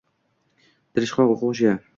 Tirishqoq o‘quvchi.